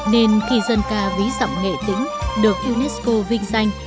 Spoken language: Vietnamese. nên khi dân ca ví dặm nghệ tĩnh được unesco vinh danh